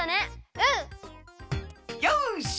うん！よし！